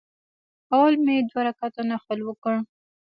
اول مې دوه رکعته نفل وکړ.